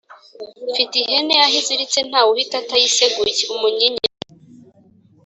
Mfite ihene aho iziritse ntawe uhita atayiseguye-Umunyinya.